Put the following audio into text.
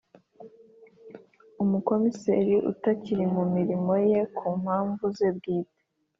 Umukomiseri utakiri mu mirimo ye ku mpamvu ze bwite